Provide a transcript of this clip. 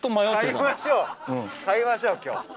買いましょう今日。